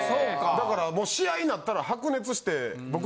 だからもう試合になったら白熱して僕。